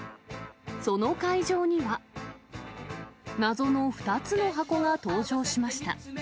その会場には、謎の２つの箱が登場しました。